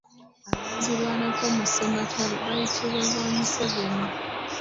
Abazirwanako mu ssematalo baayitibwanga baseveni.